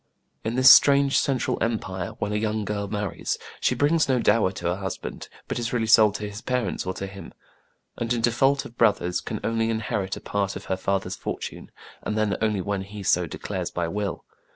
In this strange Central Empire, when a young girl marries, she brings no dower to her husband, but is really sold to his parents or to him ; and, in default of brothers, can only inherit a part of her father's fortune, and then only when he so declares by will.